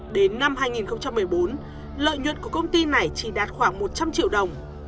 đến năm hai nghìn một mươi bốn lợi nhuận của công ty này chỉ đạt khoảng một trăm linh triệu đồng